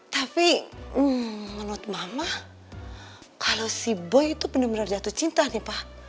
tapi menurut mama kalau si boy itu bener bener jatuh cinta nih pa